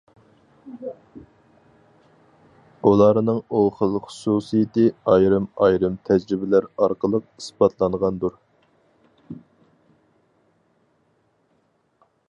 ئۇلارنىڭ ئۇ خىل خۇسۇسىيىتى ئايرىم-ئايرىم تەجرىبىلەر ئارقىلىق ئىسپاتلانغاندۇر.